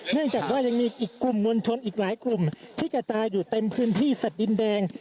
เนื่องจากว่ายังมีอีกกลุ่มมวลชนอีกหลายกลุ่มที่กระจายอยู่เต็มพื้นที่สัตว์ดินแดง